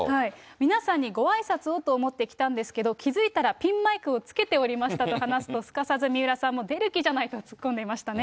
皆さんにごあいさつをと思って来たんですけど、気付いたらピンマイクをつけておりましたと話すと、すかさず水卜さんも出る気じゃないですかと突っ込んでいましたね。